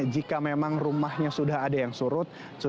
jika memang rumahnya sudah ada yang surut